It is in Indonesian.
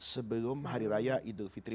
sebelum hari raya idul fitri